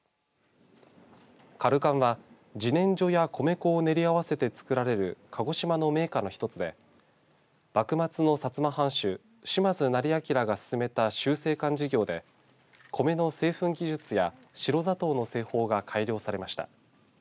かるかんは、じねんじょや米粉を練り合わせて作られる鹿児島の銘菓の一つで幕末の薩摩藩主島津斉彬が進めた集成館事業でコメの製粉技術や白砂糖の製法が改良されました。